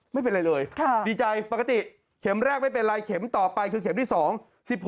ไม่เป็นไรเลยดีใจปกติเข็มแรกไม่เป็นไรเข็มต่อไปคือเข็มที่สองสิบหก